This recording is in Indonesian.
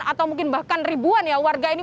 atau mungkin bahkan ribuan ya warga ini